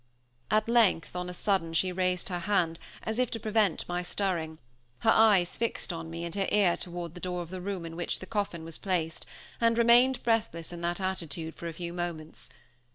At length, on a sudden, she raised her hand, as if to prevent my stirring, her eyes fixed on me and her ear toward the door of the room in which the coffin was placed, and remained breathless in that attitude for a few moments.